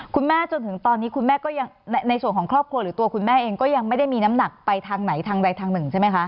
จนถึงตอนนี้คุณแม่ก็ยังในส่วนของครอบครัวหรือตัวคุณแม่เองก็ยังไม่ได้มีน้ำหนักไปทางไหนทางใดทางหนึ่งใช่ไหมคะ